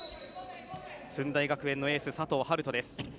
駿台学園のエース・佐藤遥斗です。